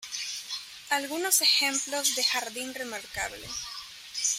Algunos ejemplos de ""Jardin Remarquable"".